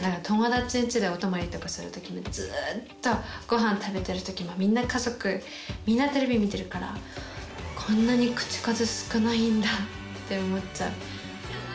友達んちでおとまりとかする時もずっとごはん食べてる時もみんな家族みんなテレビ見てるからこんなに口数少ないんだって思っちゃう。